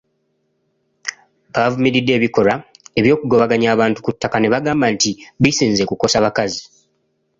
Baavumiridde ebikolwa eby’okugobaganya abantu ku ttaka ne bagamba nti bisinze kukosa bakazi.